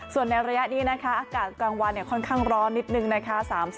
ส่วนในระยะนี้นะคะอากาศกลางวันค่อนข้างร้อนนิดนึงนะคะ